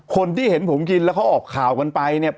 คนที่เห็นผมกินแล้วเขาออกข่าวกันไปเนี่ย